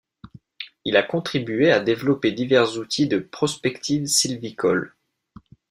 Il a contribué à développer divers outils de prospective sylvicole.